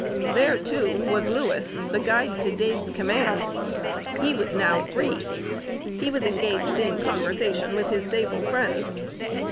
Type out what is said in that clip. There, too, was Louis, the guide to Dade's command. He was now free! He engaged in conversation with his sable friends.